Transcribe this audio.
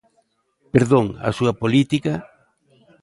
Perdón, a súa política.